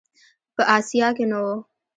په آسیا کې نه و.